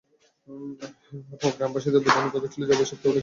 আর গ্রামবাসীদের বুঝানোর দরকার ছিল যে অভিশাপ কেবল একটা কুসংস্কার ছিল।